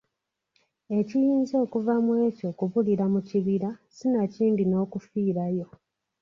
Ekiyinza okuva mu ekyo kubulira mu kibira sinakindi n’okufiirayo.